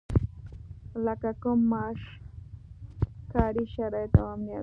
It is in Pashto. لکه کم معاش، کاري شرايط او امنيت.